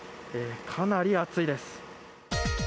かなり暑いです。